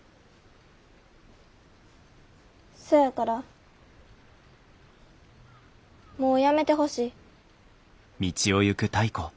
そやからもうやめてほしい。